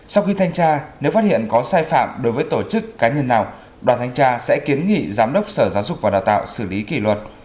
sau khi thanh tra nếu phát hiện có sai phạm đối với tổ chức cá nhân nào đoàn thanh tra sẽ kiến nghị giám đốc sở giáo dục và đào tạo xử lý kỷ luật